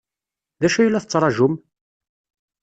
D acu ay la tettṛajum?